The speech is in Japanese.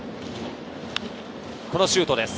このシュートです。